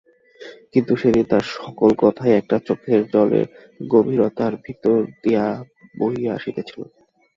কিন্তু সেদিন তার সকল কথাই একটা চোখের জলের গভীরতার ভিতর দিয়া বহিয়া আসিতেছিল।